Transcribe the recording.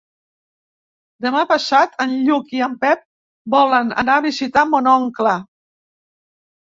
Demà passat en Lluc i en Pep volen anar a visitar mon oncle.